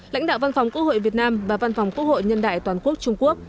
lãnh đạo văn phòng quốc hội việt nam và văn phòng quốc hội nhân đại toàn quốc trung quốc